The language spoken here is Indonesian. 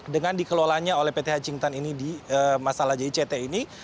dengan dikelolanya oleh pt hachingtan ini di masalah jict ini